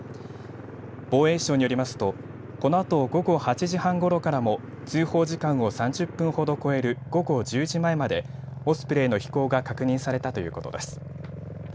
防衛省によりますとこのあと午後８時半ごろからも通報時間を３０分ほど超える午後１０時前までオスプレイの飛行が確認されたということです。